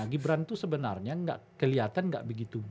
gibran itu sebenarnya nggak kelihatan nggak begitu